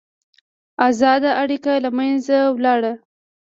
ازاده اړیکه له منځه ولاړه.